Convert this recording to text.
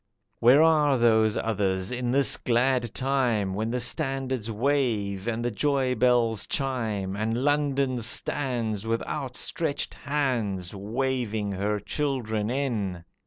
Where are those others in this glad time, When the standards wave and the joy bells chime, And London stands with outstretched hands Waving her children in?